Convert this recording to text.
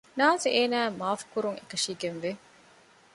ނާޒު އޭނާއަށް މާފު ކުރުން އެކަށީގެންވެ